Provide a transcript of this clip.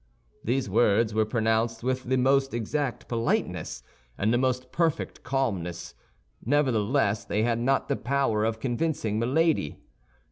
These words were pronounced with the most exact politeness and the most perfect calmness. Nevertheless, they had not the power of convincing Milady.